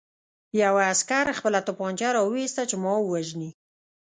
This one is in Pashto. یوه عسکر خپله توپانچه را وویسته چې ما ووژني